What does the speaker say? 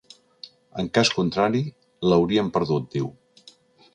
En cas contrari l’hauríem perdut, diu.